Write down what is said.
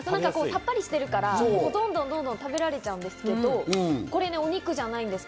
さっぱりしてるからどんどん食べられちゃうんですけど、これね、お肉じゃないんです。